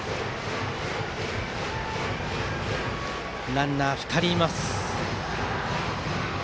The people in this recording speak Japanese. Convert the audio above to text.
ランナー、２人います。